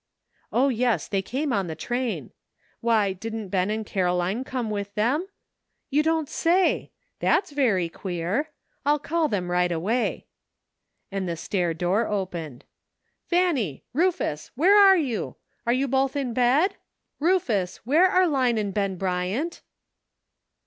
O, yes! they came on the train. Why, didn't Ben and Caro line come with them ? You don't say ! that's very queer. I'll call them right away," and the stair door opened. "Fanny, Rufus! where are you ? Are you both in bed ? Rufus, where are Line and Ben Bryant